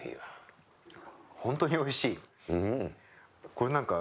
これ何か。